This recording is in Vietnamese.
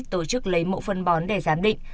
tổ chức lấy mẫu phân bón để giám định